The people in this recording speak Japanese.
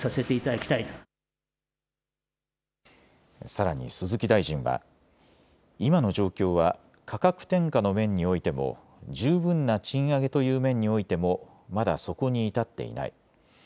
さらに鈴木大臣は今の状況は価格転嫁の面においても十分な賃上げという面においてもまだそこに至っていない。